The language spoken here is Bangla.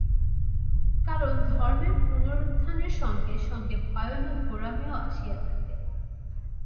কারণ ধর্মের পুনরুত্থানের সঙ্গে সঙ্গে ভয়ানক গোঁড়ামিও আসিয়া থাকে।